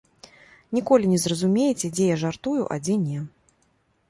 Ніколі не зразумееце, дзе я жартую, а дзе не.